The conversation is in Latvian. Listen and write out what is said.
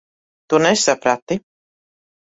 Tu nesaprati.